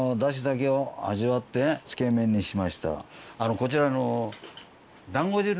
こちらあの。